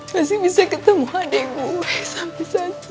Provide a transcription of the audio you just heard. masih bisa ketemu adik gue sampai saat ini